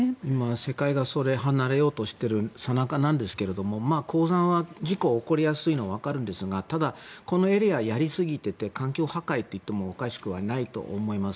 世界がそれから離れようとしているさなかなんですけど鉱山は事故は起こりやすいのはわかるんですがただ、このエリアやりすぎてて環境破壊といってもおかしくはないと思います。